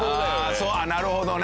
そうなるほどね。